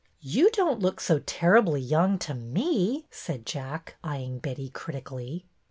'' You don't look so terribly young to me," said Jack, eyeing Betty critically.